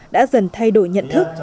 đã dần thay đổi nhận thức